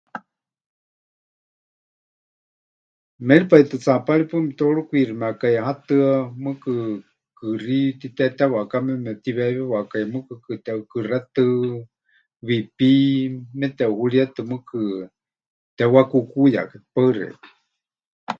Méripai tɨ tsaapári paɨ mepɨtewarukwiximekai hatɨa, mɨɨkɨ kɨxí titétewakame mepɨtiweewiwakai, mɨɨkɨkɨ teʼukɨxetɨ, wiipí meteʼuhuríetɨ mɨɨkɨ tepɨwakukuyakai.